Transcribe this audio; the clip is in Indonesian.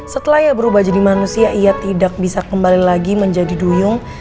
setelah ia berubah jadi manusia ia tidak bisa kembali lagi menjadi duyung